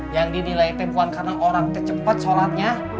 yang dinilai teh puan karena orang teh cepet sholatnya